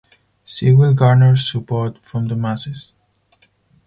She will garner support from the masses.